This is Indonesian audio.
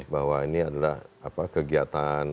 bahwa ini adalah kegiatan